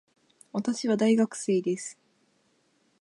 私は大学生です。